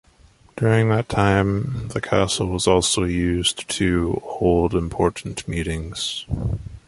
During that time the castle was also used to hold important meetings.